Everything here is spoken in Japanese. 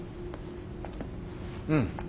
うん。